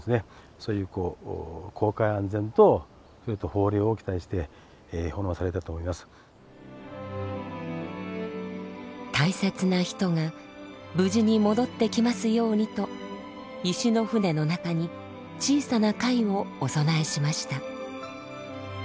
そういうこう大切な人が無事に戻ってきますようにと石の舟の中に小さな貝をお供えしました。